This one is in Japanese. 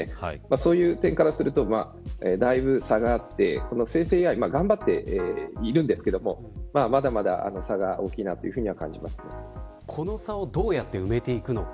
そういう点からするとだいぶ差があって生成ＡＩ頑張っているんですけどまだまだ差が大きいなとこの差をどうやって埋めていくのか。